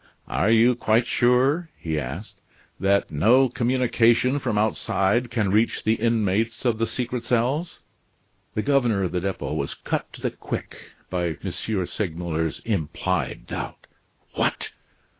"Are you quite sure," he asked, "that no communication from outside can reach the inmates of the secret cells?" The governor of the Depot was cut to the quick by M. Segmuller's implied doubt. What!